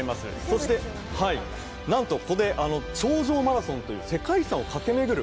そしてなんとここで長城マラソンという世界遺産を駆け巡る